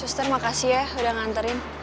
suster makasih ya udah nganterin